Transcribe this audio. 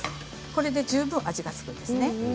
これで十分、味が付くんですね。